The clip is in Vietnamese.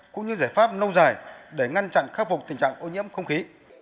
cũng như giải pháp nâu dài để ngăn chặn khắc phục tình trạng ô nhiễm không khí